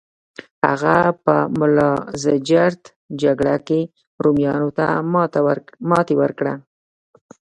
هغه په ملازجرد جګړه کې رومیانو ته ماتې ورکړه.